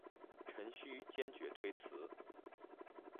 陈顼坚决推辞。